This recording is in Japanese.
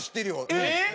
えっ！